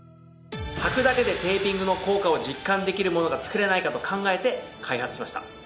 はくだけでテーピングの効果を実感できるものが作れないかと考えて開発しました。